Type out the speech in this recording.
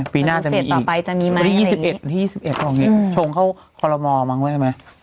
ปีหน้าจะมีอีกปี๒๑ตรงนี้ชงเข้าฮลโลมอล์บ้างด้วยไหม